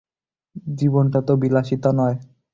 জীবনটা তো বিলাসিতা নয়।